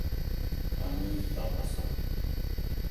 اۤنُوج اٞ قصہ